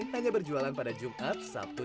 hanya berjualan pada jumat sabtu